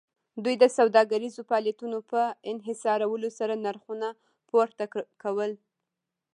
دوی د سوداګریزو فعالیتونو په انحصارولو سره نرخونه پورته کول